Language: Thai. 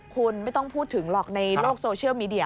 คุณไม่ต้องพูดถึงหรอกในโลกโซเชียลมีเดีย